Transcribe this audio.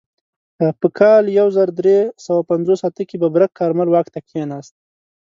په کال یو زر درې سوه پنځوس اته کې ببرک کارمل واک ته کښېناست.